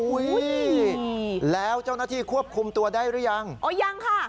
อุ้ยแล้วเจ้าหน้าที่ควบคุมตัวได้หรือยังโอ้ยังค่ะ